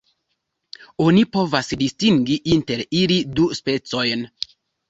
Oni povas distingi inter ili du specojn.